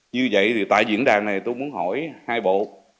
như vậy thì tại diễn đàn này tôi muốn hỏi hai bộ